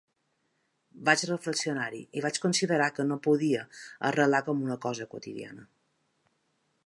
Vaig reflexionar-hi i vaig considerar que no podia arrelar com una cosa quotidiana.